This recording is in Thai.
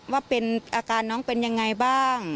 ว่าเป็นอาการน้องเป็นยังไงบ้าง